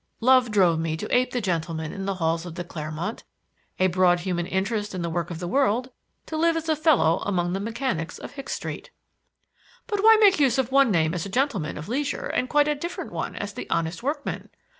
Love drove me to ape the gentleman in the halls of the Clermont; a broad human interest in the work of the world, to live as a fellow among the mechanics of Hicks Street." "But why make use of one name as a gentleman of leisure and quite a different one as the honest workman?"